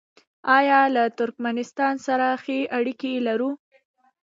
آیا له ترکمنستان سره ښې اړیکې لرو؟